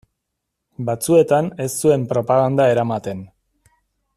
Batzuetan ez zuen propaganda eramaten.